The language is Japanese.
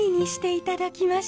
いただきます。